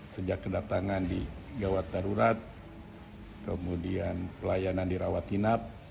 sejak kedatangan di gawat darurat kemudian pelayanan di rawat hinab